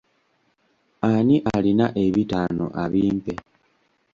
Ani alina ebitaano abimpe?